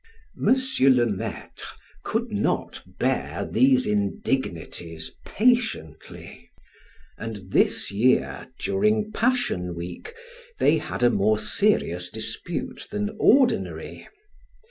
M. le Maitre could not bear these indignities patiently; and this year, during passion week, they had a more serious dispute than ordinary.